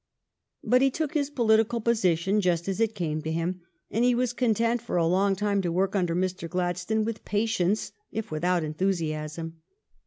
But he took his political position just as it came to him, and he was content for a long time to work under Mr. Glad stone with patience, if without enthusiasm.